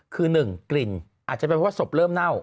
คือ๑กลิ่นอาจจะเป็นเพราะว่าศพเริ่มเน่า